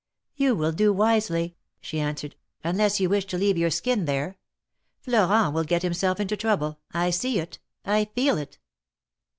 You will do wisely,'^ she answered, unless you wish to leave your skin there. Florent will get himself into trouble. I see it ! I feel it